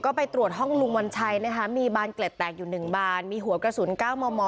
ก็ไปตรวจห้องลุงวัญชัยนะคะมีบานเกล็ดแตกอยู่๑บานมีหัวกระสุน๙มม